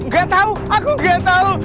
gak tau aku gak tau